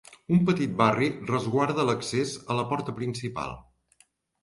Un petit barri resguarda l'accés a la porta principal.